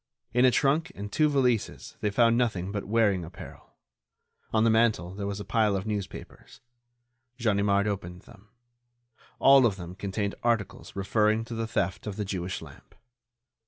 In a trunk and two valises they found nothing but wearing apparel. On the mantel there was a pile of newspapers. Ganimard opened them. All of them contained articles referring to the theft of the Jewish lamp.